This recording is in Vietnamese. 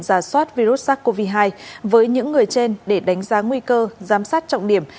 giả soát virus sars cov hai với những người trên để đánh giá nguy cơ giám sát trọng điểm